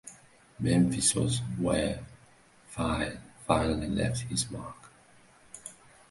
Memphis was where Pfeil finally left his mark.